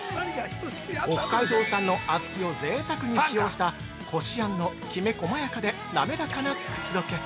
北海道産の小豆をぜいたくに使用したこしあんのきめ細やかで滑らかな口どけ。